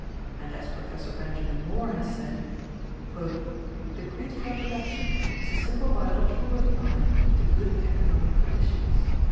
And as Professor Benjamin Moore has said: "Decreased reproduction is the simple biological reply to good economic conditions."